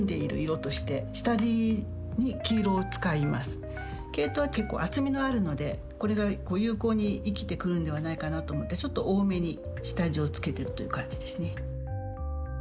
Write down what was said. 植物などはケイトウは結構厚みがあるのでこれが有効に生きてくるんではないかなと思ってちょっと多めに下地をつけてるという感じですね。